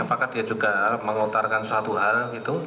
apakah dia juga mengutarkan suatu hal gitu